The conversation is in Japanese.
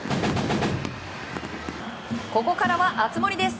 ここからは熱盛です。